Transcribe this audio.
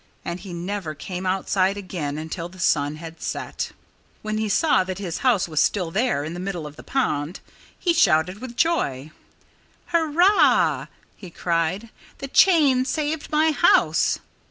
And he never came outside again until the sun had set. When he saw that his house was still there, in the middle of the pond, he shouted with joy. "Hurrah!" he cried. "The chain saved my house!"